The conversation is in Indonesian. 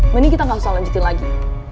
mending kita nggak usah lanjutin lagi